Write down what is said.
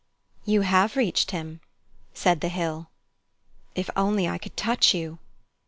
"You have reached him," said the hill. "If only I could touch you!"